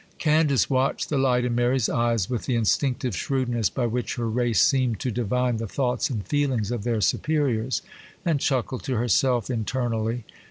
Candace watched the light in Mary's eyes with the instinctive shrewdness by which her race seem to divine the thoughts and feelings of their superiors, and chuckled to herself internally.